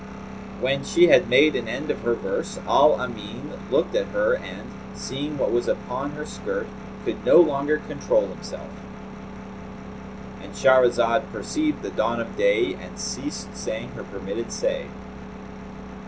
When she had made an end of her verse, Al Amin looked at her and, seeing what was upon her skirt, could no longer control him self, And Shahrazad perceived the dawn of day and ceased saying her permitted say.